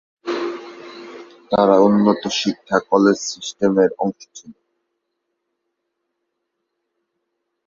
তারা উন্নত শিক্ষা কলেজ সিস্টেমের অংশ ছিল।